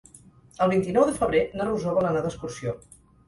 El vint-i-nou de febrer na Rosó vol anar d'excursió.